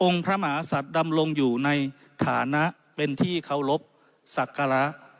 องค์พระมหาศาสตร์ดำลงอยู่ในฐานะเป็นที่เคารพศักระ